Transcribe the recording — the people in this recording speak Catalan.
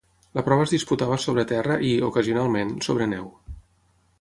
La prova es disputava sobre terra i, ocasionalment, sobre neu.